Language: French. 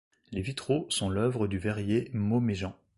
Les vitraux sont l'œuvre du verrier Mauméjean.